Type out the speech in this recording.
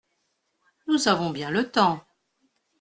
Nous avons bien le temps…